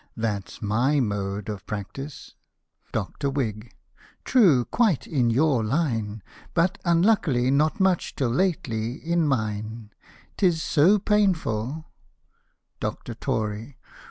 That's viy mode of practice. Dr. Whig. True, quite in yotir line, But unluckily not much, till lately, in vii?ie. iXis^so painful Dr. Tory.